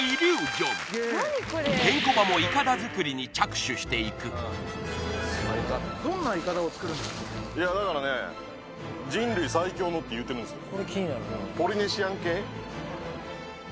ケンコバもしていくいやだからね人類最強のって言うてるんですよ